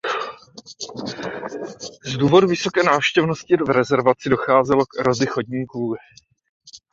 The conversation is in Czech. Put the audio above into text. Z důvodu vysoké návštěvnosti v rezervaci docházelo k erozi chodníků.